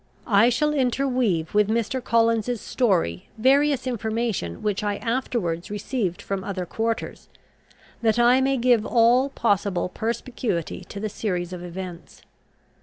I shall interweave with Mr. Collins's story various information which I afterwards received from other quarters, that I may give all possible perspicuity to the series of events.